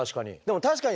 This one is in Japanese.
確かに。